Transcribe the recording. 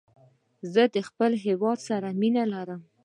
زه د خپل هېواد سره مینه لرم.